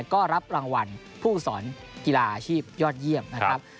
ก็รับรางวัลผู้สอนกีฬาอาชีพยอดเยี่ยมนะครับ